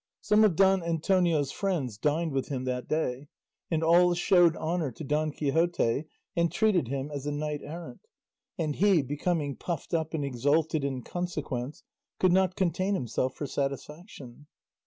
Some of Don Antonio's friends dined with him that day, and all showed honour to Don Quixote and treated him as a knight errant, and he becoming puffed up and exalted in consequence could not contain himself for satisfaction.